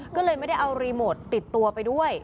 ก็เลยไม่ได้เอารีโมทติดตัวไปด้วย